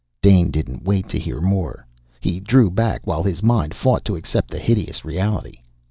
Dane didn't wait to hear more. He drew back, while his mind fought to accept the hideous reality.